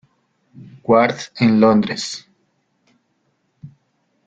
Ward en Londres.